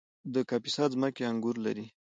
د کاپیسا ځمکې انګور لري